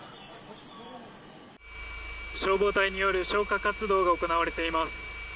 消防隊による消火活動が行われています。